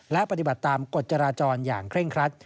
และปฏิบัติตามกฎจราจรอย่างเคร่งครัด